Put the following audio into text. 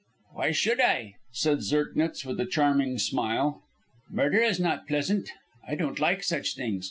"Why should I?" said Zirknitz, with a charming smile. "Murder is not pleasant. I don't like such things.